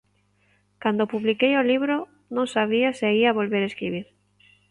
Cando publiquei o libro non sabía se ía volver escribir.